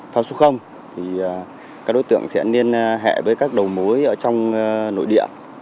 pháo xuất không thì các đối tượng sẽ nên hẹ với các đầu mối ở trong nội địa